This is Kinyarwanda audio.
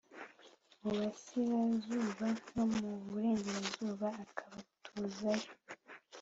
mu burasirazuba no mu burengerazuba akabatuza yo